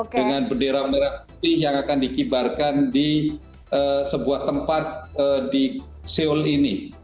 dengan bendera merah putih yang akan dikibarkan di sebuah tempat di seoul ini